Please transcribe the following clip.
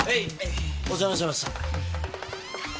お邪魔しました。